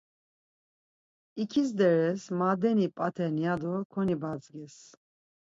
İkizderez madeni p̌aten ya do konibadzgez.